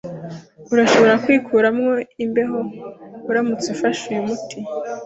Urashobora kwikuramo imbeho uramutse ufashe uyu muti.